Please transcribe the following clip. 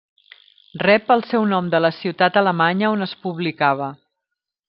Rep el seu nom de la ciutat alemanya on es publicava.